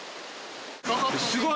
すごい。